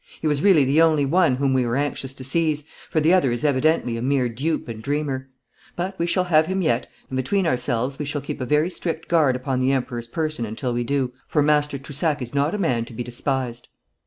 He was really the only one whom we were anxious to seize, for the other is evidently a mere dupe and dreamer. But we shall have him yet, and between ourselves we shall keep a very strict guard upon the Emperor's person until we do, for Master Toussac is not a man to be despised.'